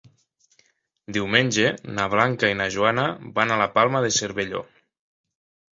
Diumenge na Blanca i na Joana van a la Palma de Cervelló.